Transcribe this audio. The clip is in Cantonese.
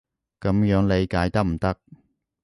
噉樣理解得唔得？